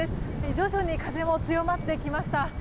徐々に風も強まってきました。